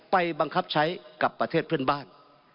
บังคับใช้กับประเทศเพื่อนบ้าน